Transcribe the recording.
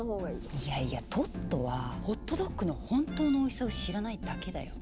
いやいやトットはホットドッグの本当のおいしさを知らないだけだよ。